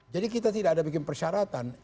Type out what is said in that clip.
kita tidak ada bikin persyaratan